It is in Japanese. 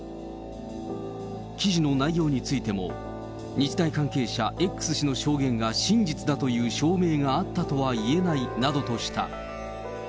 記事の内容についても、日大関係者Ｘ氏の証言が真実だという証明があったとは言えないなどとした。